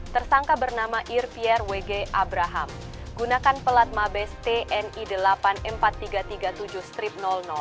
tersangka bernama irvier wg abraham gunakan pelat mabes tni delapan ribu empat ribu tiga ratus tiga puluh tujuh strip